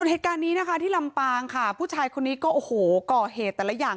เหตุการณ์นี้นะคะที่ลำปางค่ะผู้ชายคนนี้ก็โอ้โหก่อเหตุแต่ละอย่าง